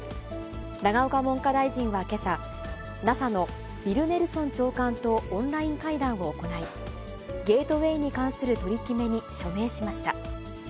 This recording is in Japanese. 永岡文科大臣はけさ、ＮＡＳＡのビル・ネルソン長官とオンライン会談を行い、ゲートウェイに関する取り決めに署名しました。